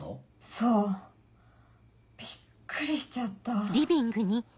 そうびっくりしちゃった。